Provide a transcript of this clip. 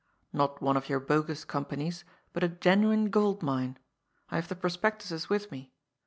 Not one of your bogus companies, but a genuine gold mine. I have the prospectuses with me.